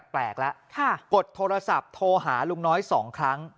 แปลกแล้วกดโทรศัพท์โทรหาลุงน้อย๒ครั้ง